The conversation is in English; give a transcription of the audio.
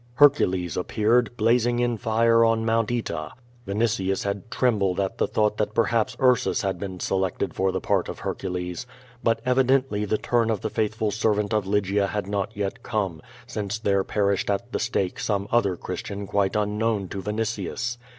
Hercules appeared, blazing in fire on Mount Oeta. Vinitius had trembled at the thought that perhaps Ursus had been selected for the part of Hercules. But evi dently the turn of the faithful servant of Lygia had not yet come, since there perished at the stake some other Christian quite unknown to Vinitius.